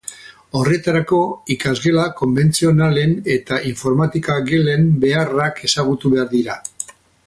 Horretarako, ikasgela konbentzionalen eta informatika-gelen beharrak ezagutu behar dira.